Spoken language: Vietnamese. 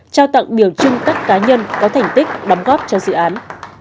trao tặng biểu trưng các cá nhân có thành tích đóng góp cho dự án